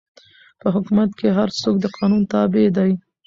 په حکومت کښي هر څوک د قانون تابع دئ.